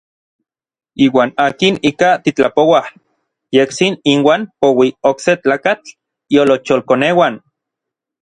Iuan akin ika titlapouaj, yejtsin inuan poui okse tlakatl iolocholkoneuan.